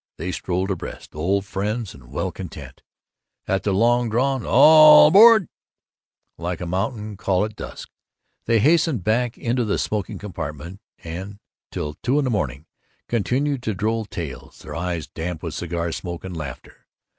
They strolled abreast, old friends and well content. At the long drawn "Alllll aboarrrrrd" like a mountain call at dusk they hastened back into the smoking compartment, and till two of the morning continued the droll tales, their eyes damp with cigar smoke and laughter.